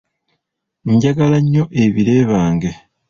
Njagala nnyo ebire bange!